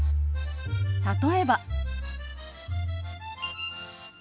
例えば。